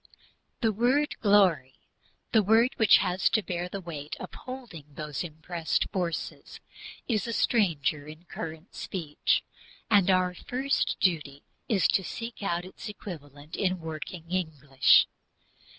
The word "glory" the word which has to bear the weight of holding those "impressed forces" is a stranger in current speech, and our first duty is to seek out its equivalent in working English.